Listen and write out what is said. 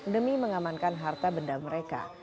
demi mengamankan harta benda mereka